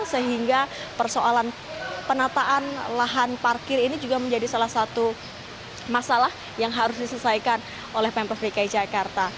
sehingga persoalan penataan lahan parkir ini juga menjadi salah satu masalah yang harus diselesaikan oleh pemprov dki jakarta